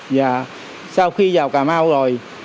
và sau khi vào cà mau rồi